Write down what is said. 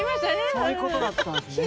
そういうことだったんですね。